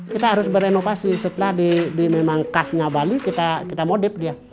kita harus berenovasi setelah di memang kasnya bali kita modif dia